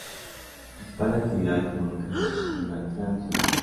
La principal actividad económica es la agricultura tradicional.